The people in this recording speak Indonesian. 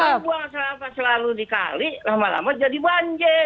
kalau buang sampah selalu dikali lama lama jadi banjir